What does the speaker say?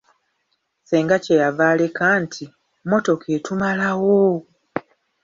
Ssenga kye yava aleka nti "mmotoka etumalawo!"